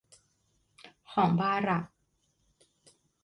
ของบารัค